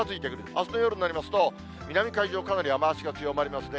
あすの夜になりますと、南海上、かなり雨足が強まりますね。